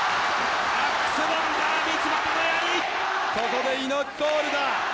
ここで猪木コールだ！